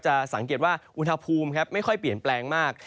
สังเกตว่าอุณหภูมิไม่ค่อยเปลี่ยนแปลงมาก